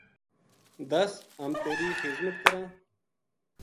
دس ! ہم تیری خذمت کراں‘‘